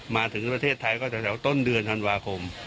มาถึงประเทศไทยก็แถวต้นเดือนธันวาคม